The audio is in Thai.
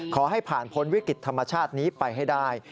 ขอให้ผ่านพ้นวิกฤตธรรมชาตินี้ไปให้ได้